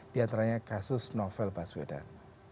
diantaranya kasus novel baswedan